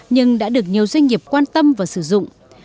nhưng đã được nhiều doanh nghiệp quan tâm và sử dụng